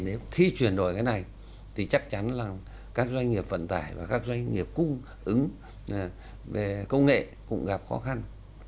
nếu khi chuyển đổi cái này thì chắc chắn là các doanh nghiệp vận tải và các doanh nghiệp cung ứng về công nghệ cũng gặp khó khăn